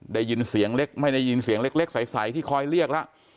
ได้ยินเสียงเล็กไม่ได้ยินเสียงเล็กใสที่คอยเรียกแล้ว